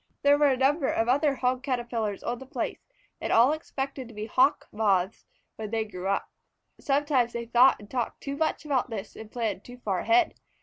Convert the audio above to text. There were a number of other Hog Caterpillars on the place, and all expected to be Hawk Moths when they grew up. Sometimes they thought and talked too much about this, and planned too far ahead.